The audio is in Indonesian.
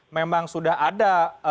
memang sudah ada